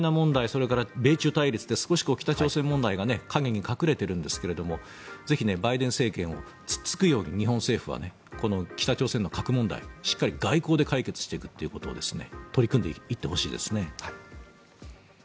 それから米中対立で少し北朝鮮問題が陰に隠れているんですがぜひ、バイデン政権をつっつくように日本政府はこの北朝鮮の核問題、しっかり外交で解決していくということを取り組んでいってほしいですね。